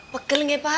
pegel gak ya pak